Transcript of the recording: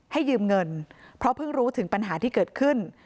ยืมเงินเพราะเพิ่งรู้ถึงปัญหาที่เกิดขึ้น